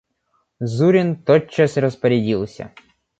Зурин тотчас распорядился.